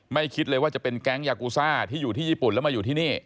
คิดเลยว่าจะเป็นแก๊งยากูซ่าที่อยู่ที่ญี่ปุ่นแล้วมาอยู่ที่นี่